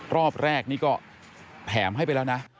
รอบแรกนี่ก็แถมให้ไปแล้วนะ